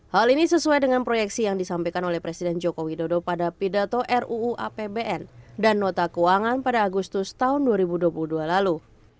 hal ini sesuai dengan proyeksi yang disampaikan oleh presiden joko widodo pada pidato ruu apbn dan nota keuangan pada agustus tahun dua ribu dua puluh dua lalu